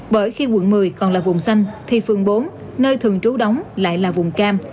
bởi khi quận một mươi còn là vùng xanh thì phường bốn nơi thường trú đóng lại là vùng cam